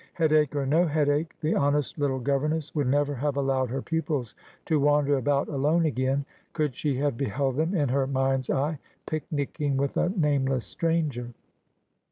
Headache or no headache, the honest little governess would never have allowed her pupils to wander about alone again, could she have beheld them, in her mind's eye, picnicking with a nameless stranger.